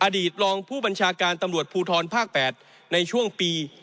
อดีตรองผู้บัญชาการตำรวจภูทรภาค๘ในช่วงปี